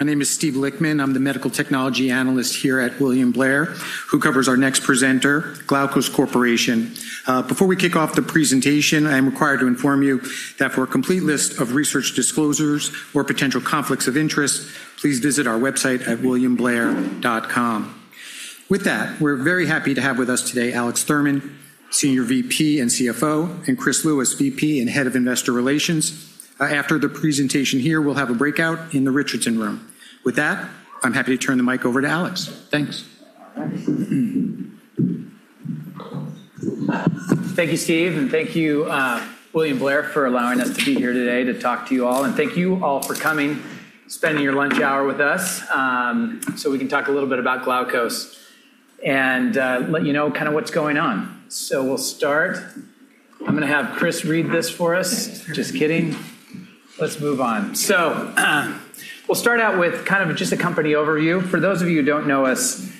My name is Steve Lichtman. I'm the medical technology analyst here at William Blair, who covers our next presenter, Glaukos Corporation. Before we kick off the presentation, I am required to inform you that for a complete list of research disclosures or potential conflicts of interest, please visit our website at williamblair.com. With that, we're very happy to have with us today Alex Thurman, Senior VP and CFO, and Chris Lewis, VP and head of Investor Relations. After the presentation here, we'll have a breakout in the Richardson room. With that, I'm happy to turn the mic over to Alex. Thanks. Thank you, Steve, thank you, William Blair, for allowing us to be here today to talk to you all. Thank you all for coming, spending your lunch hour with us, so we can talk a little bit about Glaukos and let you know kind of what's going on. We'll start. I'm going to have Chris read this for us. Just kidding. Let's move on. We'll start out with kind of just a company overview. For those of you who don't know us,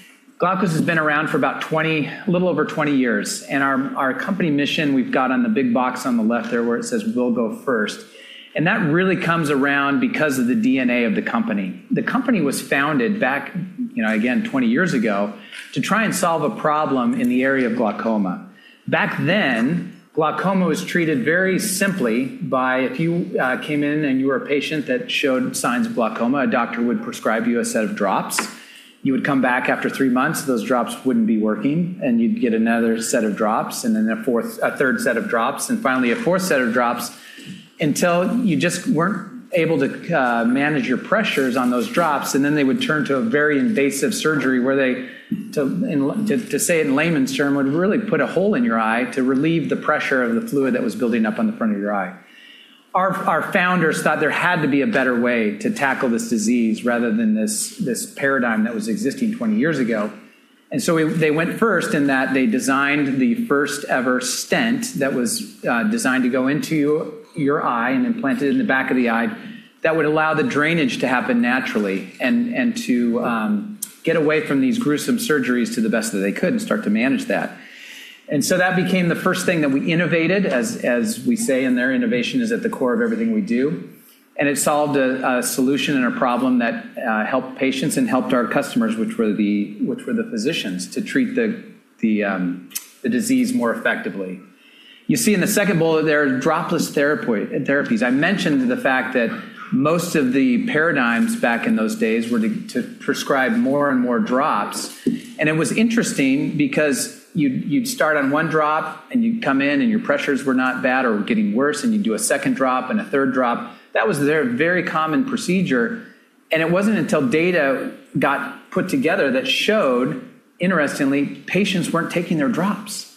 Glaukos has been around for about a little over 20 years. Our company mission we've got on the big box on the left there where it says, We'll go first. That really comes around because of the DNA of the company. The company was founded back, again 20 years ago, to try and solve a problem in the area of glaucoma. Back then, glaucoma was treated very simply by if you came in and you were a patient that showed signs of glaucoma, a doctor would prescribe you a set of drops. You would come back after three months, those drops wouldn't be working, you'd get another set of drops, a third set of drops, and finally a fourth set of drops until you just weren't able to manage your pressures on those drops. They would turn to a very invasive surgery where they, to say it in layman's term, would really put a hole in your eye to relieve the pressure of the fluid that was building up on the front of your eye. Our founders thought there had to be a better way to tackle this disease rather than this paradigm that was existing 20 years ago. They went first in that they designed the first ever stent that was designed to go into your eye and implanted in the back of the eye that would allow the drainage to happen naturally and to get away from these gruesome surgeries to the best that they could and start to manage that. That became the first thing that we innovated, as we say in there, innovation is at the core of everything we do. It solved a solution and a problem that helped patients and helped our customers, which were the physicians, to treat the disease more effectively. You see in the second bullet there, dropless therapies. I mentioned the fact that most of the paradigms back in those days were to prescribe more and more drops. It was interesting because you'd start on one drop and you'd come in and your pressures were not bad or were getting worse, and you'd do a second drop and a third drop. That was their very common procedure, and it wasn't until data got put together that showed, interestingly, patients weren't taking their drops.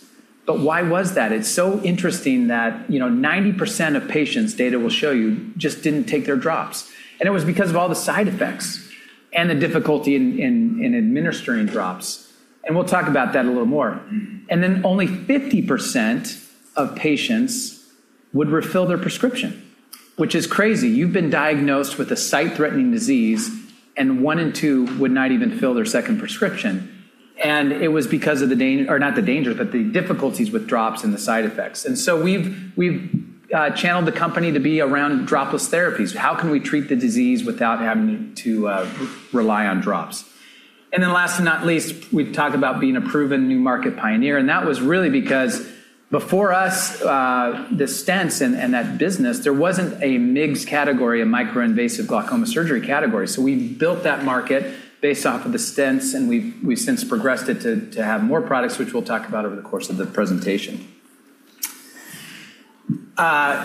Why was that? It's so interesting that 90% of patients, data will show you, just didn't take their drops. It was because of all the side effects and the difficulty in administering drops, and we'll talk about that a little more. Only 50% of patients would refill their prescription, which is crazy. You've been diagnosed with a sight-threatening disease, and one in two would not even fill their second prescription. It was because of the difficulties with drops and the side effects. We've channeled the company to be around dropless therapies. How can we treat the disease without having to rely on drops? Last but not least, we've talked about being a proven new market pioneer, and that was really because before us, the stents and that business, there wasn't a MIGS category, a Micro-Invasive Glaucoma Surgery category. We built that market based off of the stents, and we've since progressed it to have more products, which we'll talk about over the course of the presentation.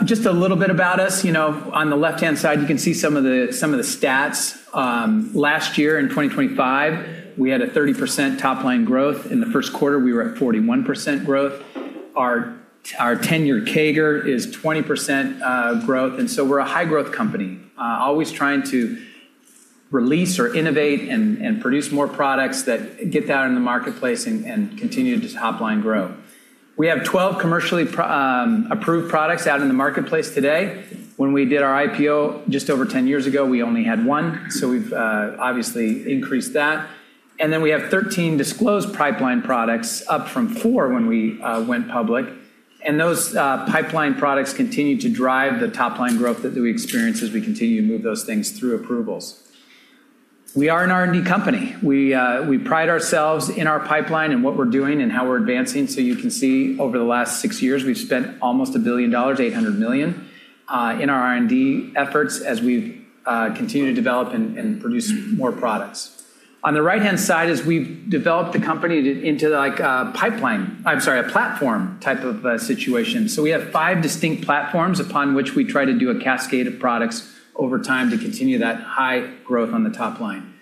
Just a little bit about us. On the left-hand side, you can see some of the stats. Last year, in 2025, we had a 30% top-line growth. In the first quarter, we were at 41% growth. Our 10-year CAGR is 20% growth. We're a high-growth company, always trying to release or innovate and produce more products that get that in the marketplace and continue to top-line grow. We have 12 commercially approved products out in the marketplace today. When we did our IPO just over 10 years ago, we only had one. We've obviously increased that. We have 13 disclosed pipeline products, up from four when we went public. Those pipeline products continue to drive the top-line growth that we experience as we continue to move those things through approvals. We are an R&D company. We pride ourselves in our pipeline and what we're doing and how we're advancing. You can see over the last six years, we've spent almost $1 billion, $800 million, in our R&D efforts as we've continued to develop and produce more products. On the right-hand side is we've developed the company into a platform type of a situation. We have five distinct platforms upon which we try to do a cascade of products over time to continue that high growth on the top line.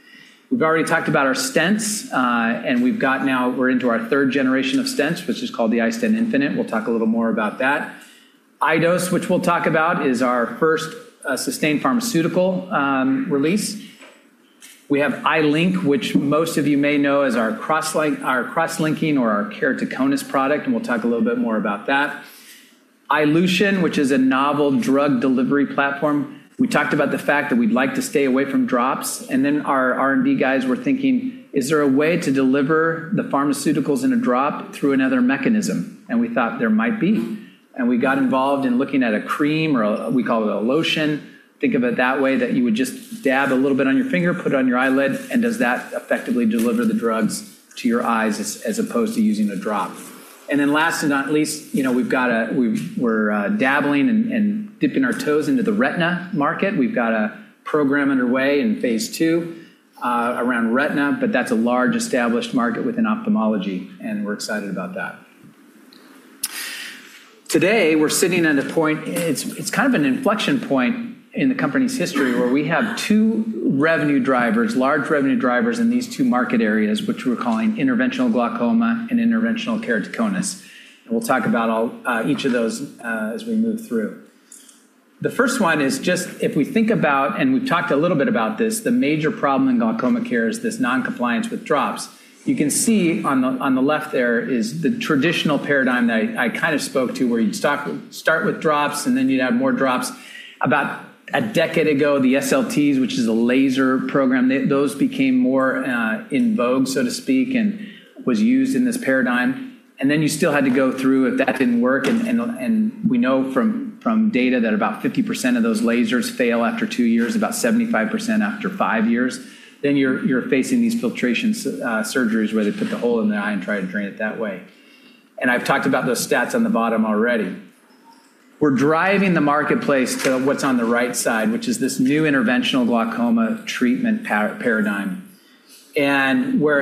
We've already talked about our stents, and we've got now we're into our third generation of stents, which is called the iStent infinite. We'll talk a little more about that. iDose, which we'll talk about, is our first sustained pharmaceutical release. We have iLink, which most of you may know as our cross-linking or our keratoconus product, and we'll talk a little bit more about that. iLution, which is a novel drug delivery platform. We talked about the fact that we'd like to stay away from drops, our R&D guys were thinking, is there a way to deliver the pharmaceuticals in a drop through another mechanism? We thought there might be. We got involved in looking at a cream or we call it a lotion. Think of it that way, that you would just dab a little bit on your finger, put it on your eyelid, and does that effectively deliver the drugs to your eyes as opposed to using a drop. Then last and not least, we're dabbling and dipping our toes into the retina market. We've got a program underway in phase II around retina, but that's a large established market within ophthalmology, and we're excited about that. Today, we're sitting at a point, it's kind of an inflection point in the company's history where we have two revenue drivers, large revenue drivers in these two market areas, which we're calling interventional glaucoma and interventional keratoconus. We'll talk about each of those as we move through. The first one is just if we think about, and we've talked a little bit about this, the major problem in glaucoma care is this non-compliance with drops. You can see on the left there is the traditional paradigm that I kind of spoke to where you'd start with drops and then you'd add more drops. About a decade ago, the SLTs, which is a laser program, those became more in vogue, so to speak, and was used in this paradigm. Then you still had to go through if that didn't work, and we know from data that about 50% of those lasers fail after two years, about 75% after five years. You're facing these filtration surgeries where they put the hole in the eye and try to drain it that way. I've talked about those stats on the bottom already. We're driving the marketplace to what's on the right side, which is this new interventional glaucoma treatment paradigm, where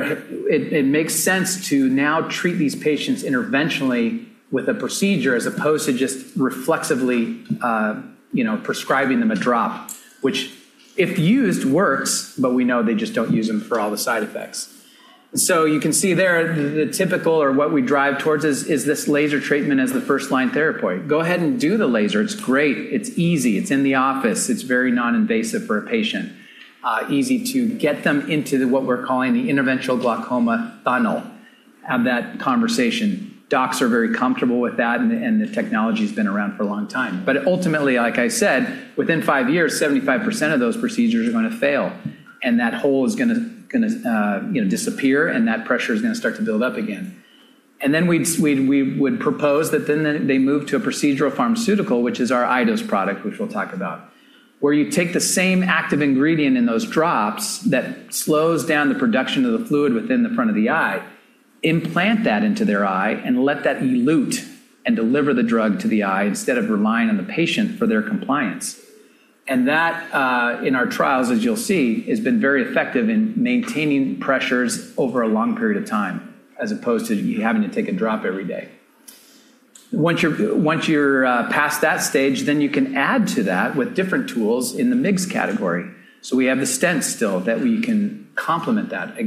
it makes sense to now treat these patients interventionally with a procedure as opposed to just reflexively prescribing them a drop, which if used works. We know they just don't use them for all the side effects. You can see there the typical or what we drive towards is this laser treatment as the first-line therapy. Go ahead and do the laser. It's great. It's easy. It's in the office. It's very non-invasive for a patient. Easy to get them into what we're calling the interventional glaucoma funnel, have that conversation. Docs are very comfortable with that. The technology's been around for a long time. Ultimately, like I said, within five years, 75% of those procedures are going to fail, and that hole is going to disappear, and that pressure is going to start to build up again. Then we would propose that then they move to a procedural pharmaceutical, which is our iDose product, which we'll talk about, where you take the same active ingredient in those drops that slows down the production of the fluid within the front of the eye, implant that into their eye, and let that elute and deliver the drug to the eye instead of relying on the patient for their compliance. That, in our trials, as you'll see, has been very effective in maintaining pressures over a long period of time, as opposed to you having to take a drop every day. Once you're past that stage, you can add to that with different tools in the MIGS category. We have the stent still that we can complement that.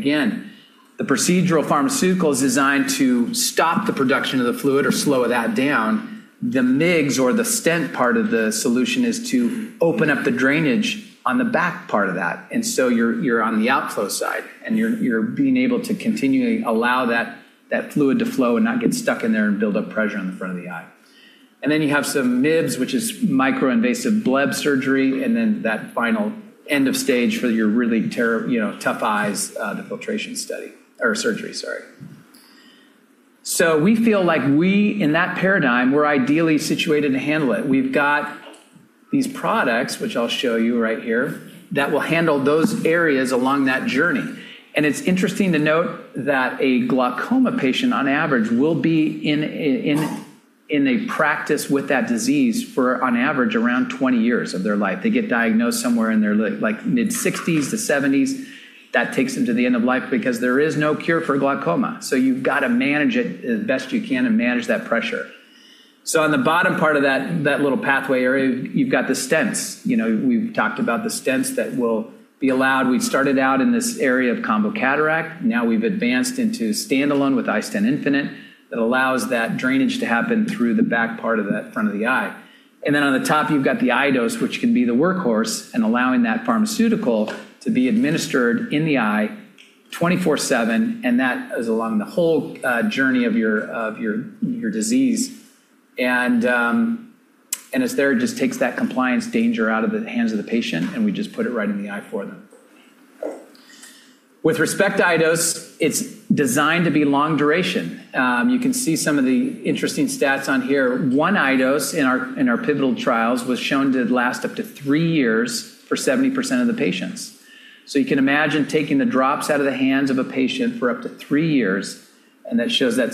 Again, the procedural pharmaceutical is designed to stop the production of the fluid or slow that down. The MIGS or the stent part of the solution is to open up the drainage on the back part of that. You're on the outflow side, and you're being able to continually allow that fluid to flow and not get stuck in there and build up pressure on the front of the eye. You have some MIBS, which is micro-invasive bleb surgery, and then that final end of stage for your really tough eyes, the filtration surgery, sorry. We feel like we, in that paradigm, we're ideally situated to handle it. We've got these products, which I'll show you right here, that will handle those areas along that journey. It's interesting to note that a glaucoma patient, on average, will be in a practice with that disease for, on average, around 20 years of their life. They get diagnosed somewhere in their mid-60s to 70s. That takes them to the end of life because there is no cure for glaucoma. You've got to manage it as best you can and manage that pressure. On the bottom part of that little pathway area, you've got the stents. We've talked about the stents that will be allowed. We started out in this area of combo cataract. Now we've advanced into standalone with iStent infinite. It allows that drainage to happen through the back part of that front of the eye. On the top, you've got the iDose, which can be the workhorse in allowing that pharmaceutical to be administered in the eye 24/7, and that is along the whole journey of your disease. It's there, it just takes that compliance danger out of the hands of the patient, and we just put it right in the eye for them. With respect to iDose, it's designed to be long duration. You can see some of the interesting stats on here. One iDose in our pivotal trials was shown to last up to three years for 70% of the patients. You can imagine taking the drops out of the hands of a patient for up to three years, and that shows that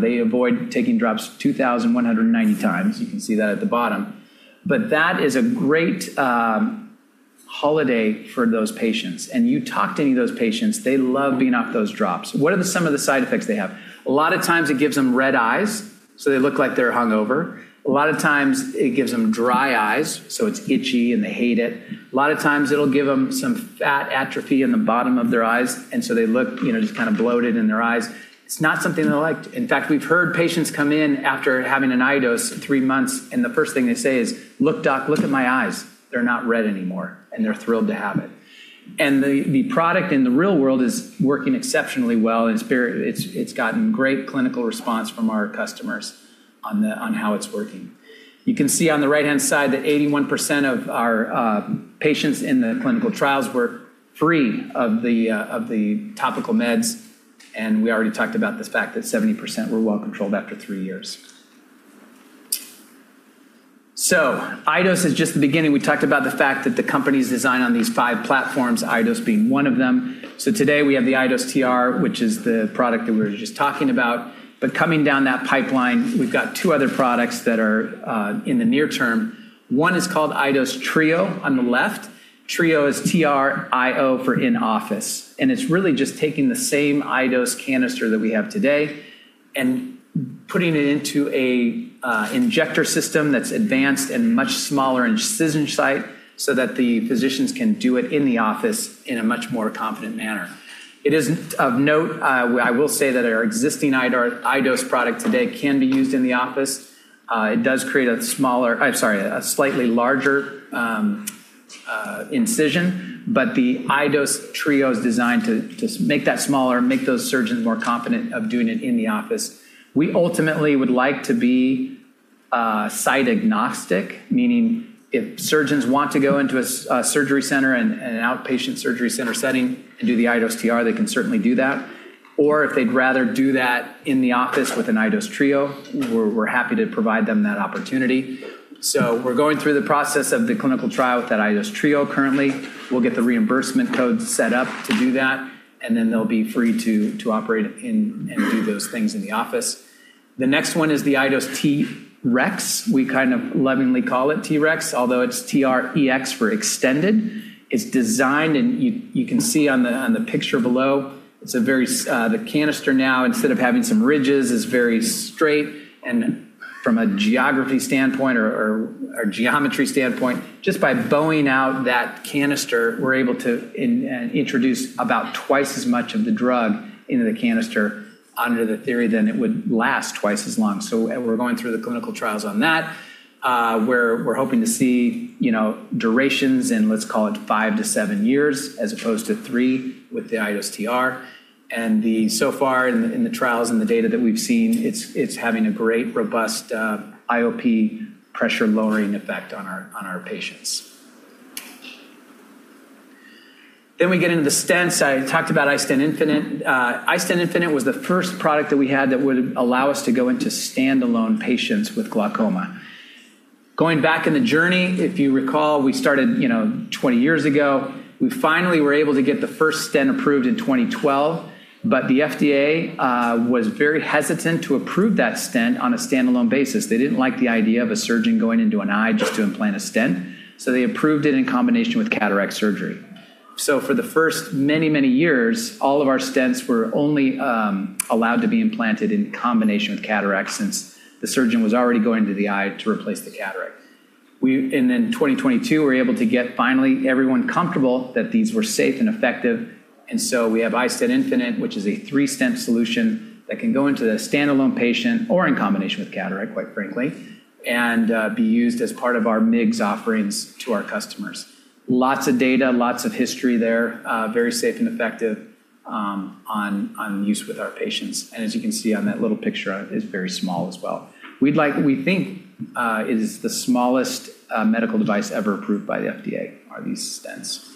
they avoid taking drops 2,190 times. You can see that at the bottom. That is a great holiday for those patients. You talk to any of those patients, they love being off those drops. What are some of the side effects they have? A lot of times it gives them red eyes, so they look like they're hungover. A lot of times it gives them dry eyes, so it's itchy and they hate it. A lot of times it'll give them some fat atrophy in the bottom of their eyes, and so they look just kind of bloated in their eyes. It's not something they like. In fact, we've heard patients come in after having an iDose in three months, and the first thing they say is, Look, doc, look at my eyes. They're not red anymore. They're thrilled to have it. The product in the real world is working exceptionally well. It's gotten great clinical response from our customers on how it's working. You can see on the right-hand side that 81% of our patients in the clinical trials were free of the topical meds, and we already talked about this fact that 70% were well-controlled after three years. iDose is just the beginning. We talked about the fact that the company's designed on these five platforms, iDose being one of them. Today we have the iDose TR, which is the product that we were just talking about. Coming down that pipeline, we've got two other products that are in the near term. One is called iDose TREO on the left. TREO is T-R-E-O for in-office, and it's really just taking the same iDose canister that we have today and putting it into an injector system that's advanced and much smaller incision site so that the physicians can do it in the office in a much more confident manner. It is of note, I will say that our existing iDose product today can be used in the office. It does create a slightly larger incision. The iDose TREO is designed to make that smaller, make those surgeons more confident of doing it in the office. We ultimately would like to be site agnostic, meaning if surgeons want to go into a surgery center and an outpatient surgery center setting and do the iDose TR, they can certainly do that. If they'd rather do that in the office with an iDose TREO, we're happy to provide them that opportunity. We're going through the process of the clinical trial with that iDose TREO currently. We'll get the reimbursement codes set up to do that. They'll be free to operate and do those things in the office. The next one is the iDose TREX. We kind of lovingly call it TREX, although it's T-R-E-X for extended. From a geography standpoint or geometry standpoint, just by bowing out that canister, we're able to introduce about twice as much of the drug into the canister under the theory that it would last twice as long. We're going through the clinical trials on that, where we're hoping to see durations in, let's call it five to seven years, as opposed to three with the iDose TR. So far in the trials and the data that we've seen, it's having a great, robust IOP pressure-lowering effect on our patients. We get into the stents. I talked about iStent infinite. iStent infinite was the first product that we had that would allow us to go into standalone patients with glaucoma. Going back in the journey, if you recall, we started 20 years ago. We finally were able to get the first stent approved in 2012. The FDA was very hesitant to approve that stent on a standalone basis. They didn't like the idea of a surgeon going into an eye just to implant a stent. They approved it in combination with cataract surgery. For the first many, many years, all of our stents were only allowed to be implanted in combination with cataracts since the surgeon was already going to the eye to replace the cataract. In 2022, we were able to get finally everyone comfortable that these were safe and effective. We have iStent infinite, which is a three-stent solution that can go into the standalone patient or in combination with cataract, quite frankly, and be used as part of our MIGS offerings to our customers. Lots of data, lots of history there, very safe and effective on use with our patients. As you can see on that little picture, it is very small as well. We think it is the smallest medical device ever approved by the FDA, are these stents.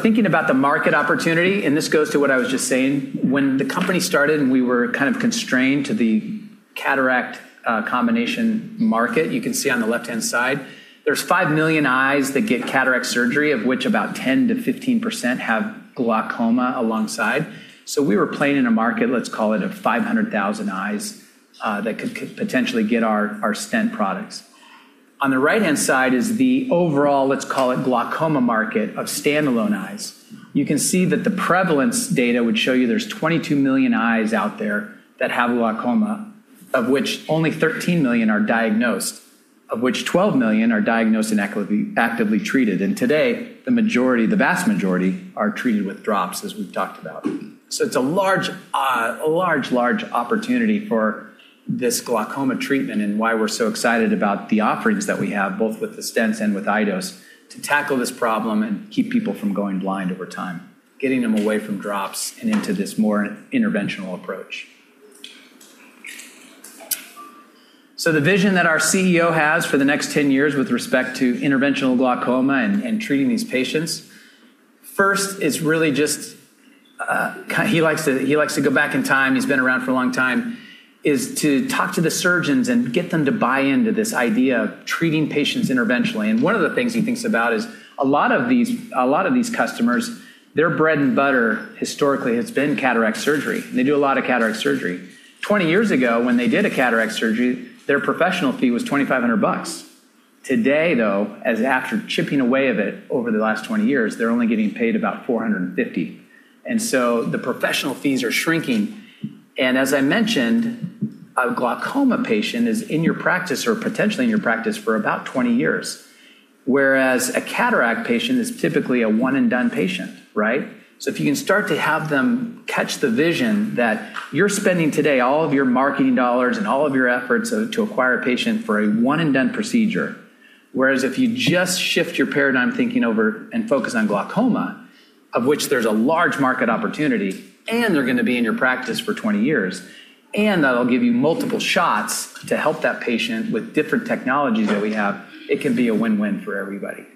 Thinking about the market opportunity, and this goes to what I was just saying. When the company started and we were kind of constrained to the cataract combination market, you can see on the left-hand side, there's five million eyes that get cataract surgery, of which about 10%-15% have glaucoma alongside. We were playing in a market, let's call it of 500,000 eyes that could potentially get our stent products. On the right-hand side is the overall, let's call it glaucoma market of standalone eyes. You can see that the prevalence data would show you there's 22 million eyes out there that have glaucoma, of which only 13 million are diagnosed, of which 12 million are diagnosed and actively treated. Today, the vast majority are treated with drops, as we've talked about. It's a large opportunity for this glaucoma treatment and why we're so excited about the offerings that we have, both with the stents and with iDose, to tackle this problem and keep people from going blind over time, getting them away from drops and into this more interventional approach. The vision that our CEO has for the next 10 years with respect to interventional glaucoma and treating these patients, he likes to go back in time, he's been around for a long time, is to talk to the surgeons and get them to buy into this idea of treating patients interventionally. One of the things he thinks about is a lot of these customers, their bread and butter historically has been cataract surgery, and they do a lot of cataract surgery. 20 years ago, when they did a cataract surgery, their professional fee was $2,500. Today, though, as after chipping away of it over the last 20 years, they're only getting paid about $450. The professional fees are shrinking. As I mentioned, a glaucoma patient is in your practice or potentially in your practice for about 20 years, whereas a cataract patient is typically a one-and-done patient, right? If you can start to have them catch the vision that you're spending today all of your marketing dollars and all of your efforts to acquire a patient for a one-and-done procedure. Whereas if you just shift your paradigm thinking over and focus on glaucoma, of which there's a large market opportunity, and they're going to be in your practice for 20 years, and that'll give you multiple shots to help that patient with different technologies that we have, it can be a win-win for everybody.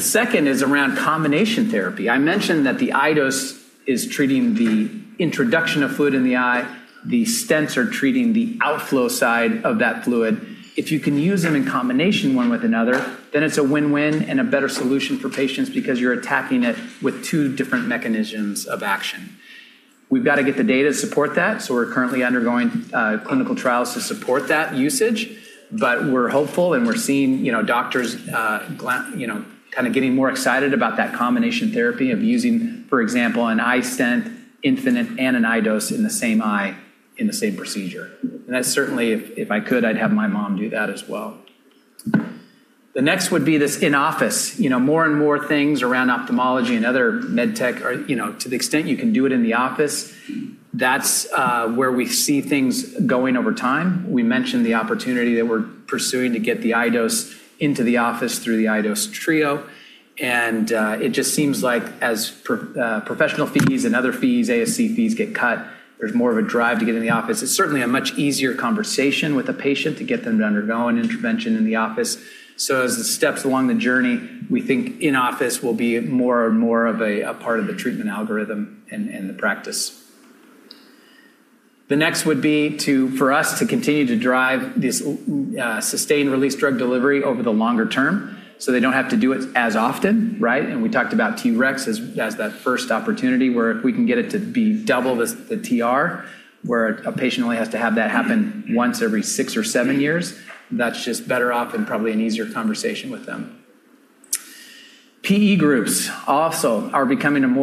The second is around combination therapy. I mentioned that the iDose is treating the introduction of fluid in the eye. The stents are treating the outflow side of that fluid. If you can use them in combination one with another, it's a win-win and a better solution for patients because you're attacking it with two different mechanisms of action. We've got to get the data to support that, we're currently undergoing clinical trials to support that usage. We're hopeful and we're seeing doctors getting more excited about that combination therapy of using, for example, an iStent infinite and an iDose in the same eye in the same procedure. That's certainly, if I could, I'd have my mom do that as well. The next would be this in-office. More and more things around ophthalmology and other med tech are to the extent you can do it in the office. That's where we see things going over time. We mentioned the opportunity that we're pursuing to get the iDose into the office through the iDose TREO. It just seems like as professional fees and other fees, ASC fees get cut, there's more of a drive to get in the office. It's certainly a much easier conversation with a patient to get them to undergo an intervention in the office. As the steps along the journey, we think in-office will be more and more of a part of the treatment algorithm and the practice. The next would be for us to continue to drive this sustained-release drug delivery over the longer term, so they don't have to do it as often, right? We talked about TREX as that first opportunity, where if we can get it to be double the TR, where a patient only has to have that happen once every six or seven years, that's just better off and probably an easier conversation with them. PE groups also are becoming an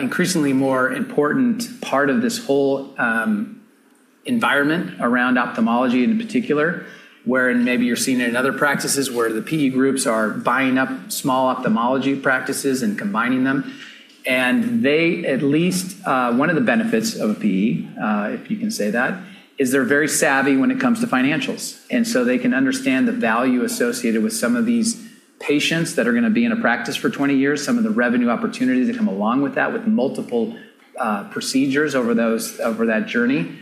increasingly more important part of this whole environment around ophthalmology in particular, wherein maybe you're seeing it in other practices where the PE groups are buying up small ophthalmology practices and combining them. At least one of the benefits of a PE, if you can say that, is they're very savvy when it comes to financials. They can understand the value associated with some of these patients that are going to be in a practice for 20 years, some of the revenue opportunities that come along with that, with multiple procedures over that journey.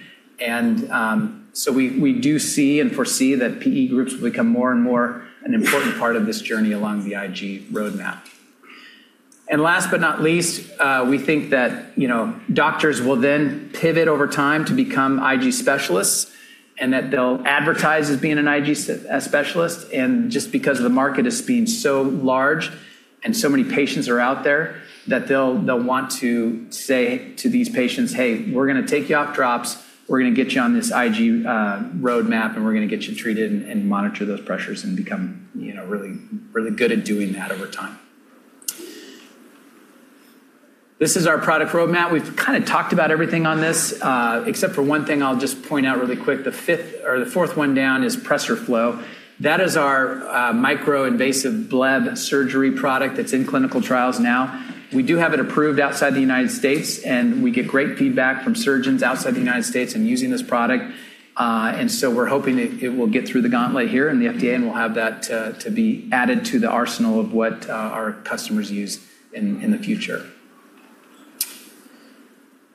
We do see and foresee that PE groups will become more and more an important part of this journey along the IG roadmap. Last but not least, we think that doctors will then pivot over time to become IG specialists, and that they'll advertise as being an IG specialist, and just because the market is being so large and so many patients are out there that they'll want to say to these patients, Hey, we're going to take you off drops. We're going to get you on this IG roadmap, and we're going to get you treated and monitor those pressures and become really good at doing that over time. This is our product roadmap. We've kind of talked about everything on this, except for one thing I'll just point out really quick. The fourth one down is PRESERFLO. That is our micro-invasive bleb surgery product that's in clinical trials now. We do have it approved outside the U.S., and we get great feedback from surgeons outside the U.S. in using this product. We're hoping it will get through the gauntlet here in the FDA, and we'll have that to be added to the arsenal of what our customers use in the future.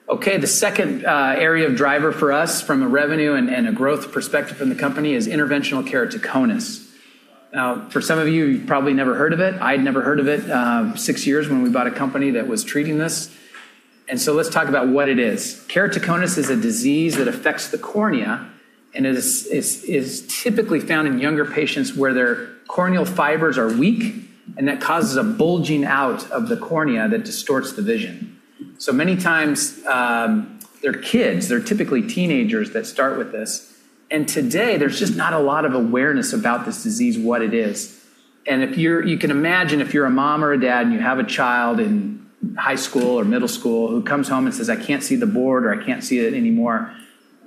Okay, the second area of driver for us from a revenue and a growth perspective in the company is interventional keratoconus. Now, for some of you've probably never heard of it. I'd never heard of it six years when we bought a company that was treating this. Let's talk about what it is. Keratoconus is a disease that affects the cornea and is typically found in younger patients where their corneal fibers are weak, and that causes a bulging out of the cornea that distorts the vision. Many times, they're kids, they're typically teenagers that start with this. Today, there's just not a lot of awareness about this disease, what it is. You can imagine if you're a mom or a dad and you have a child in high school or middle school who comes home and says, I can't see the board or, I can't see it anymore,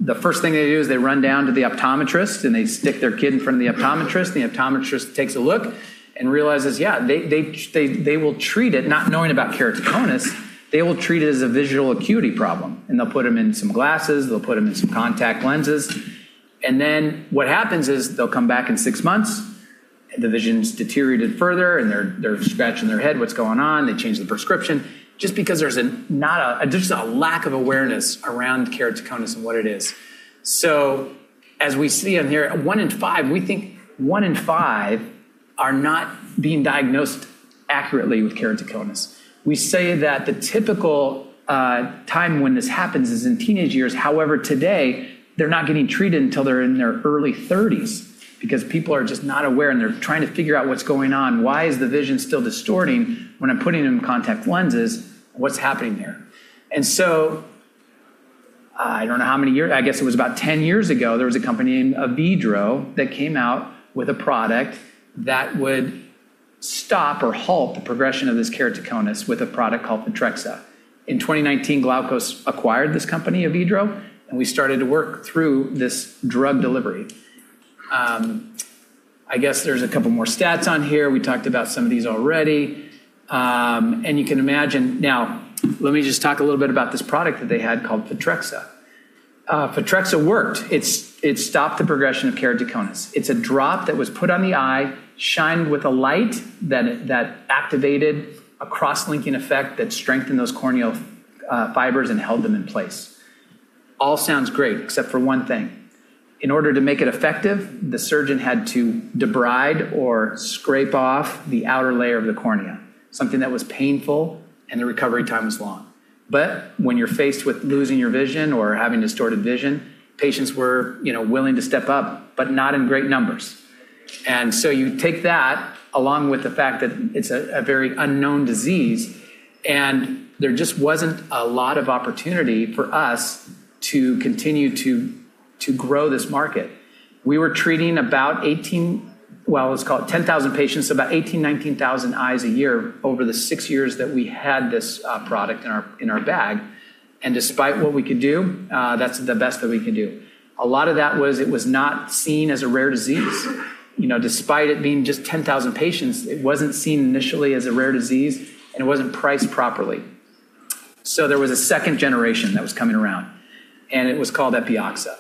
the first thing they do is they run down to the optometrist and they stick their kid in front of the optometrist, and the optometrist takes a look and realizes, yeah, they will treat it, not knowing about keratoconus, they will treat it as a visual acuity problem. They'll put them in some glasses, they'll put them in some contact lenses. What happens is they'll come back in six months. The vision's deteriorated further. They're scratching their head, what's going on? They change the prescription. Just because there's a lack of awareness around keratoconus and what it is. As we see on here, one in five, we think one in five are not being diagnosed accurately with keratoconus. We say that the typical time when this happens is in teenage years. However, today, they're not getting treated until they're in their early 30s because people are just not aware, and they're trying to figure out what's going on. Why is the vision still distorting when I'm putting in contact lenses? What's happening here? I don't know how many years, I guess it was about 10 years ago, there was a company named Avedro that came out with a product that would stop or halt the progression of this keratoconus with a product called Photrexa. In 2019, Glaukos acquired this company, Avedro, and we started to work through this drug delivery. I guess there's a couple more stats on here. We talked about some of these already. You can imagine. Now, let me just talk a little bit about this product that they had called Photrexa. Photrexa worked. It stopped the progression of keratoconus. It's a drop that was put on the eye, shined with a light that activated a cross-linking effect that strengthened those corneal fibers and held them in place. All sounds great, except for one thing. In order to make it effective, the surgeon had to debride or scrape off the outer layer of the cornea, something that was painful, and the recovery time was long. When you're faced with losing your vision or having distorted vision, patients were willing to step up, but not in great numbers. You take that, along with the fact that it's a very unknown disease, and there just wasn't a lot of opportunity for us to continue to grow this market. We were treating about, well, let's call it 10,000 patients, about 18,000, 19,000 eyes a year over the six years that we had this product in our bag. Despite what we could do, that's the best that we could do. A lot of that was it was not seen as a rare disease. Despite it being just 10,000 patients, it wasn't seen initially as a rare disease, and it wasn't priced properly. There was a second generation that was coming around, and it was called Epioxa.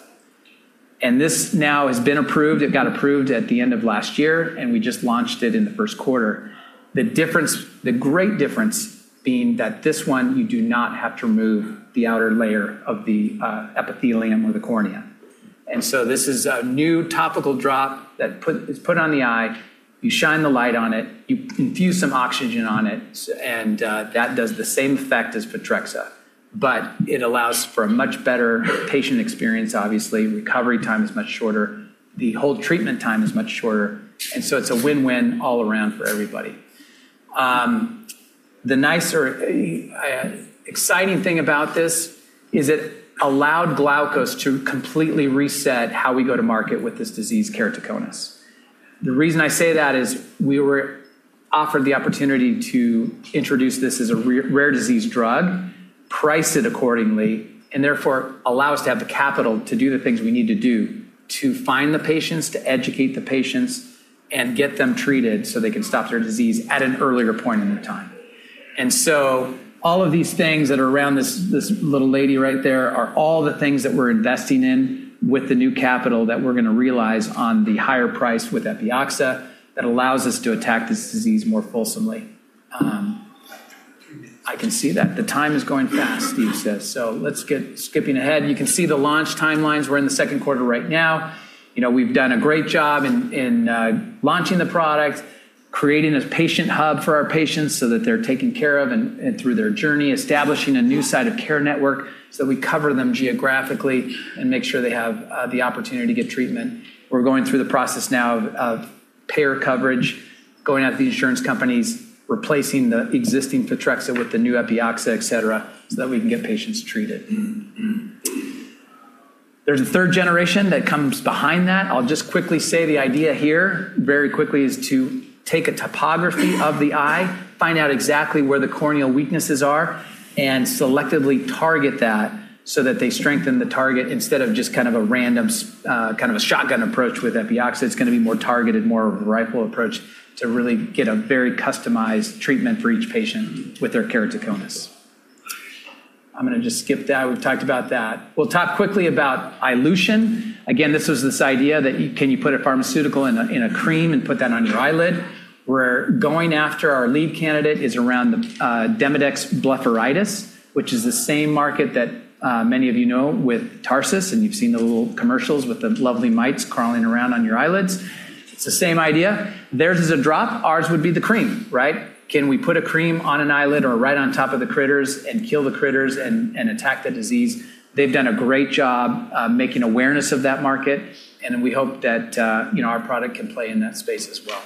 This now has been approved. It got approved at the end of last year, and we just launched it in the first quarter. The great difference being that this one, you do not have to remove the outer layer of the epithelium or the cornea. This is a new topical drop that is put on the eye. You shine the light on it, you infuse some oxygen on it, and that does the same effect as Photrexa. It allows for a much better patient experience, obviously. Recovery time is much shorter. The whole treatment time is much shorter. It's a win-win all around for everybody. The nice or exciting thing about this is it allowed Glaukos to completely reset how we go to market with this disease, keratoconus. The reason I say that is we were offered the opportunity to introduce this as a rare disease drug, price it accordingly, and therefore allow us to have the capital to do the things we need to do to find the patients, to educate the patients, and get them treated so they can stop their disease at an earlier point in time. All of these things that are around this little lady right there are all the things that we're investing in with the new capital that we're going to realize on the higher price with Epioxa that allows us to attack this disease more fulsomely. I can see that the time is going fast, Steve says. Let's get skipping ahead. You can see the launch timelines. We're in the second quarter right now. We've done a great job in launching the product, creating a patient hub for our patients so that they're taken care of and through their journey, establishing a new site of care network, so we cover them geographically and make sure they have the opportunity to get treatment. We're going through the process now of payer coverage, going out to the insurance companies, replacing the existing Photrexa with the new Epioxa, et cetera, so that we can get patients treated. There's a third generation that comes behind that. I'll just quickly say the idea here very quickly is to take a topography of the eye, find out exactly where the corneal weaknesses are, and selectively target that so that they strengthen the target instead of just a random shotgun approach with Epioxa. It's going to be more targeted, more of a rifle approach to really get a very customized treatment for each patient with their keratoconus. I'm going to just skip that. We've talked about that. We'll talk quickly about iLution. This was this idea that can you put a pharmaceutical in a cream and put that on your eyelid? We're going after our lead candidate is around the Demodex blepharitis, which is the same market that many of you know with Tarsus, and you've seen the little commercials with the lovely mites crawling around on your eyelids. It's the same idea. Theirs is a drop, ours would be the cream. Can we put a cream on an eyelid or right on top of the critters and kill the critters and attack the disease? They've done a great job making awareness of that market, and we hope that our product can play in that space as well.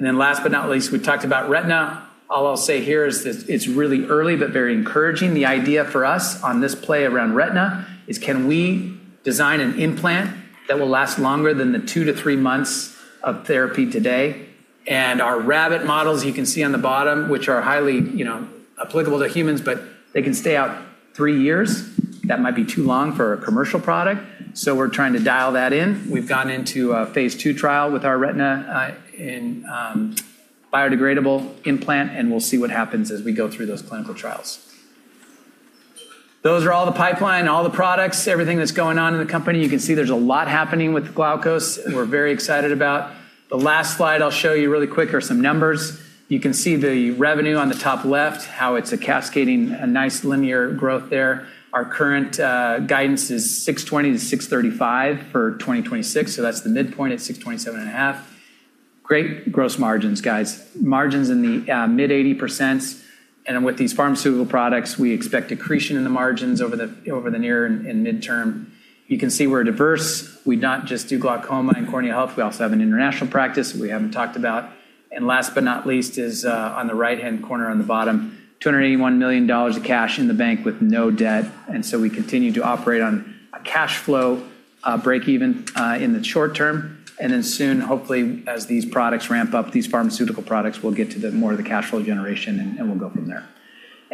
Last but not least, we talked about retina. All I'll say here is that it's really early but very encouraging. The idea for us on this play around retina is can we design an implant that will last longer than the two to three months of therapy today? Our rabbit models you can see on the bottom, which are highly applicable to humans, but they can stay out three years. That might be too long for a commercial product. We're trying to dial that in. We've gone into a phase II trial with our retina in biodegradable implant, and we'll see what happens as we go through those clinical trials. Those are all the pipeline, all the products, everything that's going on in the company. You can see there's a lot happening with Glaukos we're very excited about. The last slide I'll show you really quick are some numbers. You can see the revenue on the top left, how it's a cascading, a nice linear growth there. Our current guidance is $620 million-$635 million for 2026, so that's the midpoint at $627.5 million. Great gross margins, guys. Margins in the mid 80%. With these pharmaceutical products, we expect accretion in the margins over the near and midterm. You can see we're diverse. We not just do glaucoma and cornea health. We also have an international practice that we haven't talked about. Last but not least is on the right-hand corner on the bottom, $281 million of cash in the bank with no debt. We continue to operate on a cash flow breakeven in the short term. Then soon, hopefully, as these products ramp up, these pharmaceutical products, we'll get to more of the cash flow generation, and we'll go from there.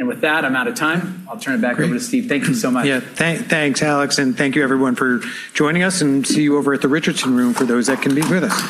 With that, I'm out of time. I'll turn it back over to Steve. Thank you so much. Yeah. Thanks, Alex. Thank you everyone for joining us. See you over at the Richardson Room for those that can be with us.